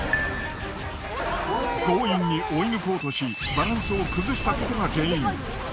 強引に追い抜こうとしバランスを崩したことが原因。